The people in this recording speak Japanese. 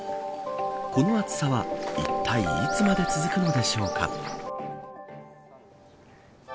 この暑さはいったいいつまで続くのでしょうか。